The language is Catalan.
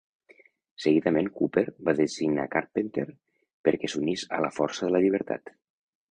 Seguidament Cooper va designar Carpenter per què s'unís a la Força de la Llibertat.